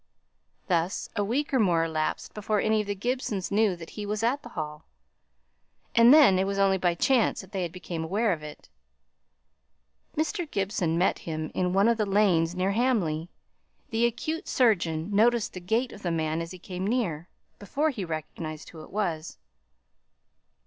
Thus a week or more elapsed before any of the Gibsons knew that he was at the Hall; and then it was only by chance that they became aware of it. Mr. Gibson met him in one of the lanes near Hamley; the acute surgeon noticed the gait of the man as he came near, before he recognized who it was.